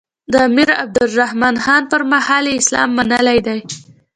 د امیر عبدالرحمان خان پر مهال یې اسلام منلی دی.